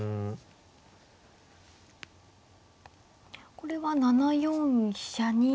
これは７四飛車に。